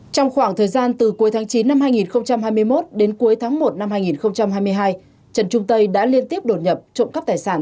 trong khoảng thời gian từ cuối tháng chín năm hai nghìn hai mươi một đến cuối tháng một năm hai nghìn hai mươi hai trần trung tây đã liên tiếp đột nhập trộm cắp tài sản